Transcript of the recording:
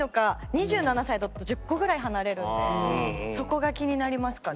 ２７歳だと１０個ぐらい離れるんでそこが気になりますかね。